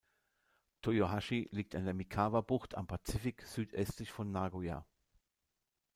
Toyohashi liegt an der Mikawa-Bucht am Pazifik südöstlich von Nagoya.